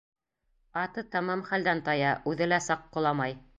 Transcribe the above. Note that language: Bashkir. Аты тамам хәлдән тая, үҙе лә саҡ ҡоламай.